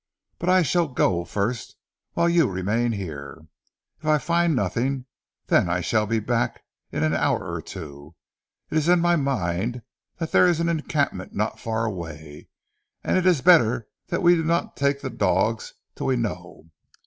But I shall go first, whilst you remain here. If I find nothing, then I shall be back in one hour or two. It is in my mind that there is an encampment not far away, and it is better that we do not take the dogs till we know.